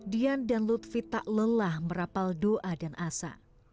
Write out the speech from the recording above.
dian dan lutfi tak lelah merapal doa dan asa